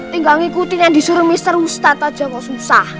tinggal ngikutin yang disuruh mister ustadz aja kok susah